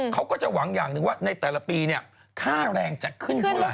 เขาก็จะหวังอย่างนึงว่าในแต่ละปีค่าแรงจะขึ้นหรือเปล่า